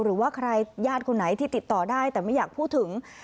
หรือว่าใครญาติคนไหนที่ติดต่อได้แต่ไม่อยากพูดถึง